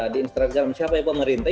di instagram siapa yang pemerintah